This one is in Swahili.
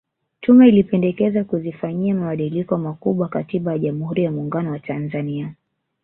Tume ilipendekeza kuzifanyia mabadiliko makubwa Katiba ya Jamhuri ya Muungano wa Tanzania